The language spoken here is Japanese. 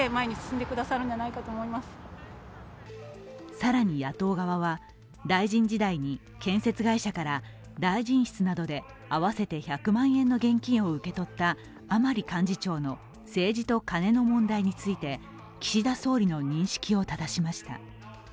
更に野党側は、大臣時代に建設会社から大臣室などで合わせて１００万円の現金を受け取った甘利幹事長の政治とカネの問題について岸田総理の認識をただしました。